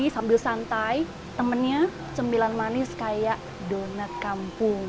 sambil santai temennya cemilan manis kayak donat kampung